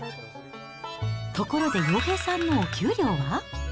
ところで洋平さんのお給料は？